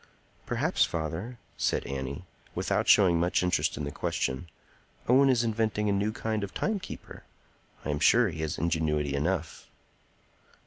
"Perhaps, father," said Annie, without showing much interest in the question, "Owen is inventing a new kind of timekeeper. I am sure he has ingenuity enough."